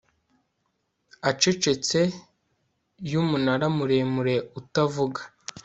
acecetse yumunara muremure utavuga